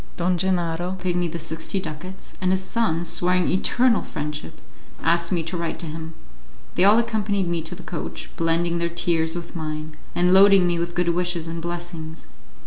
Don Gennaro paid me the sixty ducats, and his son, swearing eternal friendship, asked me to write to him. They all accompanied me to the coach, blending their tears with mine, and loading me with good wishes and blessings.